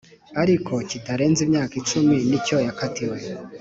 ariko kitarenze imyaka icumi nicyo yakatiwe